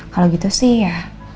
kalau gitu sih ya